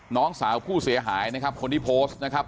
น้องสาวผู้เสียหายนะครับคนที่โพสต์นะครับ